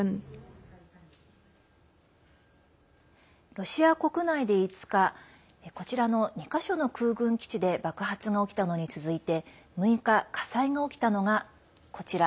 ロシア国内で５日こちらの２か所の空軍基地で爆発が起きたのに続いて６日、火災が起きたのが、こちら。